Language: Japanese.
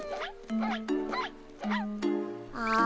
ああ。